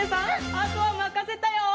あとはまかせたよ！